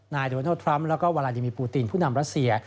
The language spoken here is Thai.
นายดูนัลด์ทรัมส์และวาลาดีมีค์ปูตตีนผู้นำรัสเซีย